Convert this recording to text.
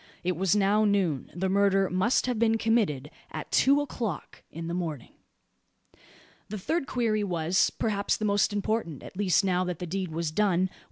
It was now noon. The murder must have been committed at two o'clock in the morning. The third query was, perhaps, the most important at least now that the deed was done.